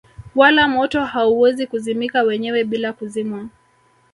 Wala moto hauwezi kuzimika wenyewe bila kuzimwa